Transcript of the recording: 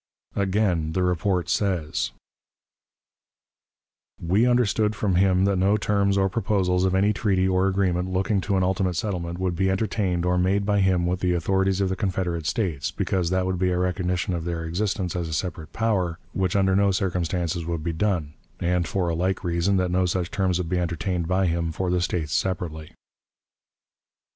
Again the report says: "We understood from him that no terms or proposals of any treaty or agreement looking to an ultimate settlement would be entertained or made by him with the authorities of the Confederate States, because that would be a recognition of their existence as a separate power, which under no circumstances would be done; and, for a like reason, that no such terms would be entertained by him for the States separately."